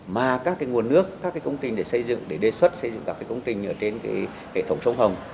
mà các nguồn nước các công trình để xây dựng để đề xuất xây dựng các công trình trên hệ thống sông hồng